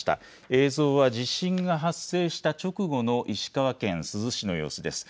映像は地震が発生した直後の石川県珠洲市の様子です。